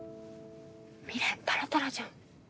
未練タラタラじゃん。